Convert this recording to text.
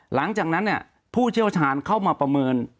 หลังจากนั้นผู้เชี่ยวชาญเข้ามาประเมิน